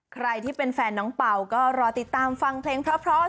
ใครที่เป็นแฟนน้องเป่าก็รอติดตามฟังเพลงเพราะ